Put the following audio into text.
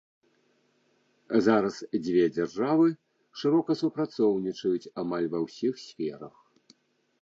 Зараз дзве дзяржавы шырока супрацоўнічаюць амаль ва ўсіх сферах.